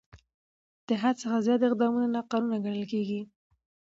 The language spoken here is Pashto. د حد څخه زیات اقدام ناقانونه ګڼل کېږي.